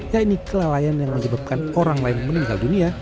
yaitu kelalaian yang menyebabkan orang lain meninggal dunia